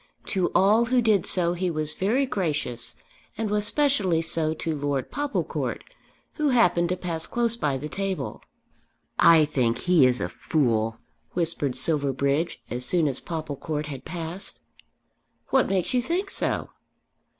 To all who did so he was very gracious, and was specially so to Lord Popplecourt, who happened to pass close by the table. "I think he is a fool," whispered Silverbridge as soon as Popplecourt had passed. "What makes you think so?"